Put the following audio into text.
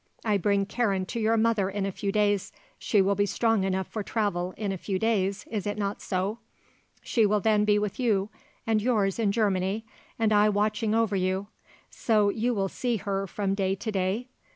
I bring Karen to your mother in a few days; she will be strong enough for travel in a few days, is it not so? She will then be with you and yours in Germany, and I watching over you. So you will see her from day to day?